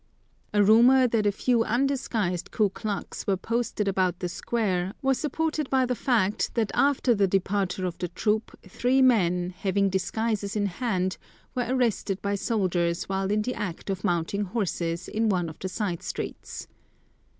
A rumor that a few undisguised Ku Klux were posted about the square was supported by the fact that after the departure of the troop three men, having disguises in hand, were arrested by soldiers while in the act of mounting horses in one of the side streets.